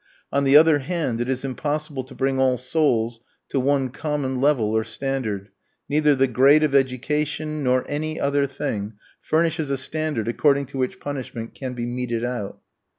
On the other hand, it is impossible to bring all souls to one common level or standard; neither the grade of education, nor any other thing, furnishes a standard according to which punishment can be meted out.